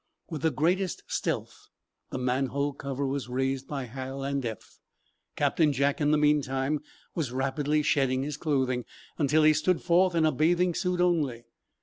With the greatest stealth the manhole cover was raised by Hal and Eph. Captain Jack, in the meantime, was rapidly shedding his clothing, until he stood forth in a bathing suit only.